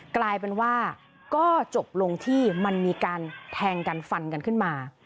กลายเป็นว่าก็จบลงที่มันมีการแทงกันฟันกันขึ้นมา